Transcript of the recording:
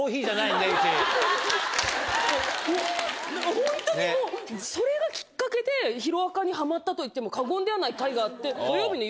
ホントにもうそれがきっかけで『ヒロアカ』にハマったと言っても過言ではない回があって。